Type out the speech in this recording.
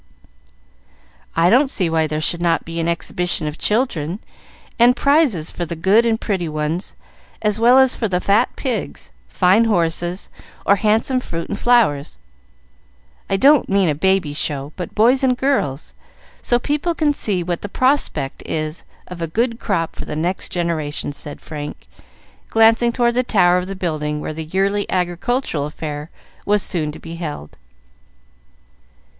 "I don't see why there should not be an exhibition of children, and prizes for the good and pretty ones, as well as for fat pigs, fine horses, or handsome fruit and flowers I don't mean a baby show, but boys and girls, so people can see what the prospect is of a good crop for the next generation," said Frank, glancing toward the tower of the building where the yearly Agricultural Fair was soon to be held.